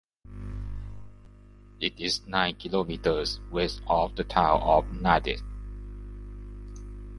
It is nine kilometers west of the town of Nadiad.